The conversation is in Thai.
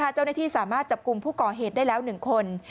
เจ้าหน้าที่สามารถจับกลุ่มผู้ก่อเหตุได้แล้ว๑คน